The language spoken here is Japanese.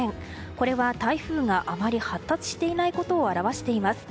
これは台風があまり発達していないことを表しています。